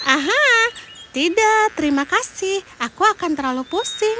aha tidak terima kasih aku akan terlalu pusing